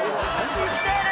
知ってる！